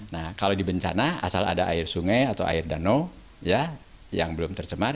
nah kalau di bencana asal ada air sungai atau air danau yang belum tercemar